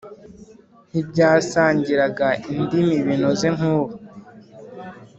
ntibyasangiraga indimi binoze nk’ubu.